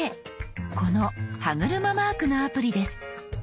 この歯車マークのアプリです。